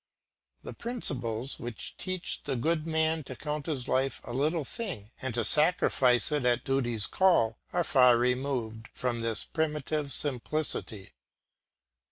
The principles, which teach the good man to count his life a little thing and to sacrifice it at duty's call, are far removed from this primitive simplicity.